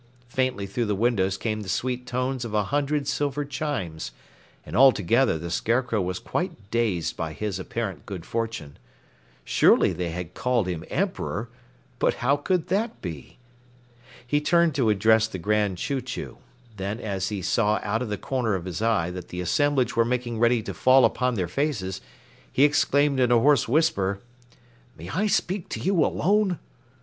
Faintly through the windows came the sweet tones of a hundred silver chimes, and altogether the Scarecrow was quite dazed by his apparent good fortune. Surely they had called him Emperor, but how could that be? He turned to address the Grand Chew Chew; then as he saw out of the corner of his eye that the assemblage were making ready to fall upon their faces, he exclaimed in a hoarse whisper: "May I speak to you alone?"